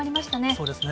そうですね。